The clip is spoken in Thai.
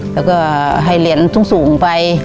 แล้วก็ให้เหรียญสูงไป